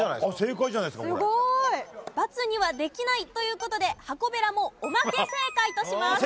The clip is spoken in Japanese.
バツにはできないという事ではこべらもおまけ正解とします。